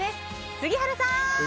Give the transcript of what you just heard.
杉原さん！